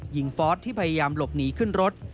ฟอร์สที่พยายามหลบหนีขึ้นรถ